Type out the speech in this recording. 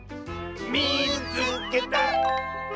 「みいつけた！」。